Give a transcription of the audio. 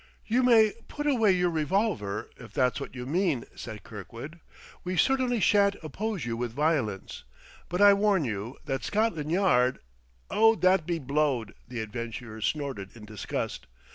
"You may put away your revolver, if that's what you mean," said Kirkwood. "We certainly shan't oppose you with violence, but I warn you that Scotland Yard " "Oh, that be blowed!" the adventurer snorted in disgust.